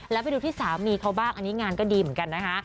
แล้วไปดูที่สามีเขาบ้างอันนี้งานก็ดีเหมือนกันนะคะ